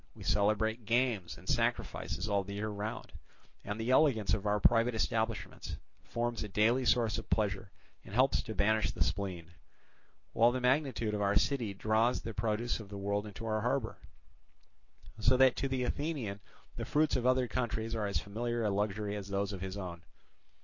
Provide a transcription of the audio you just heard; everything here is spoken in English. We celebrate games and sacrifices all the year round, and the elegance of our private establishments forms a daily source of pleasure and helps to banish the spleen; while the magnitude of our city draws the produce of the world into our harbour, so that to the Athenian the fruits of other countries are as familiar a luxury as those of his own.